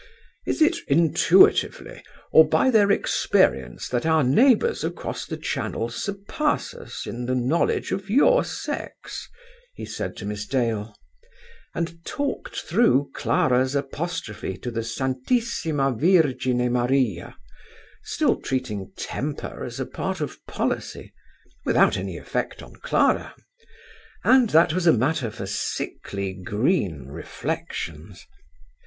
"Is it intuitively or by their experience that our neighbours across Channel surpass us in the knowledge of your sex?" he said to Miss Dale, and talked through Clara's apostrophe to the 'Santissinia Virgine Maria,' still treating temper as a part of policy, without any effect on Clara; and that was matter for sickly green reflections.